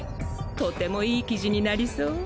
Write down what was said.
とても良い記事になりそう。